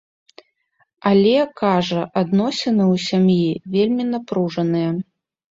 Але, кажа, адносіны ў сям'і вельмі напружаныя.